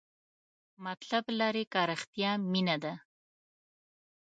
مطلب لري که رښتیا مینه ده؟